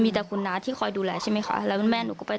อีกน้าหนูค่ะ